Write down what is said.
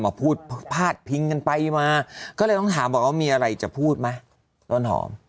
มาพูดพาดพิงกันไปมาก็เลยต้องถามบอกว่ามีอะไรจะพูดไหมต้นหอม